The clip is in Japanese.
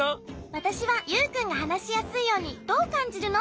わたしはユウくんがはなしやすいように「どうかんじるの？」